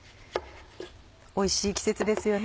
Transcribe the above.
おいしい季節ですよね。